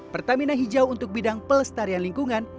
pertamina hijau untuk bidang pelestarian lingkungan